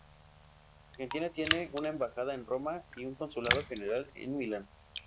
Argentina tiene una embajada en Roma y un consulado general en Milán.